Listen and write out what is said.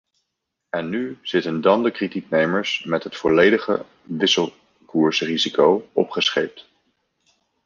En nu zitten dan de kredietnemers met het volledige wisselkoersrisico opgescheept.